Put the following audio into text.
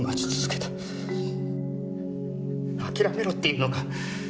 諦めろって言うのか？